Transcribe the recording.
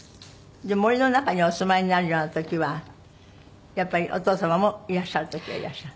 森の中にお住まいになるような時はやっぱりお父様もいらっしゃる時はいらっしゃる？